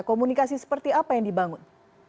komunikasi seperti apa yang dibangun